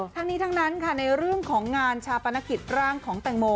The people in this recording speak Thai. ทั้งนี้ทั้งนั้นค่ะในเรื่องของงานชาปนกิจร่างของแตงโม